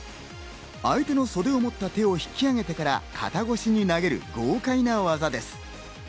相手の袖を持った手を引き上げてから肩越しに投げる豪快な技です。